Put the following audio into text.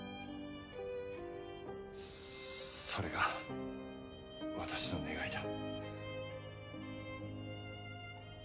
それが私の願いだ。